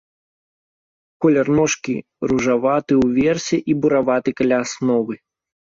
Колер ножкі ружаваты ўверсе і бураваты каля асновы.